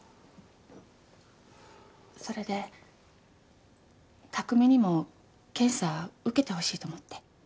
それで拓海にも検査受けてほしいと思って。